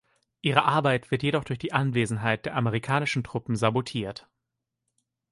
Ihre Arbeit wird jedoch durch die Anwesenheit der amerikanischen Truppen sabotiert.